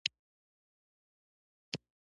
روبوټونه د نوې نړۍ استازي دي.